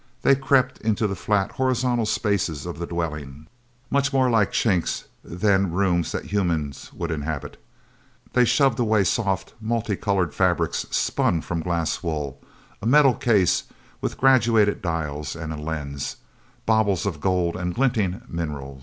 They crept into the flat, horizontal spaces of the dwelling much more like chinks than the rooms that humans would inhabit. They shoved away soft, multi colored fabrics spun from glass wool, a metal case with graduated dials and a lens, baubles of gold and glinting mineral.